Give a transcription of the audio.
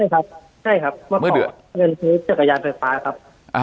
ใช่ครับว่าขอเงินซื้อจักรยานไฟฟ้าครับ